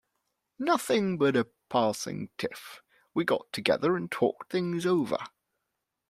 Nothing but a passing tiff; we got together and talked things over.